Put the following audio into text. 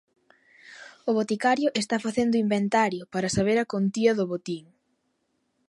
O boticario está facendo inventario para saber a contía do botín.